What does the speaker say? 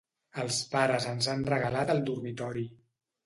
Els pares ens han regalat el dormitori.